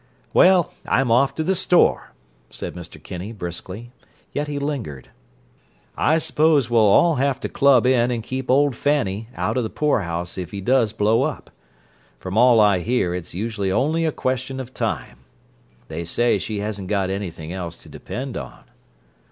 "Well, I'm off to the store," said Mr. Kinney briskly; yet he lingered. "I suppose we'll all have to club in and keep old Fanny out of the poorhouse if he does blow up. From all I hear it's usually only a question of time. They say she hasn't got anything else to depend on."